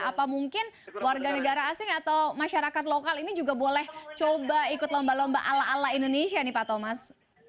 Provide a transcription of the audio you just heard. apa mungkin warga negara asing atau masyarakat lokal ini juga boleh coba ikut lomba lomba ala ala indonesia nih pak thomas